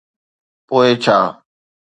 پوءِ ڇا؟